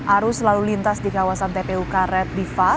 arus lalu lintas di kawasan tpu karet diva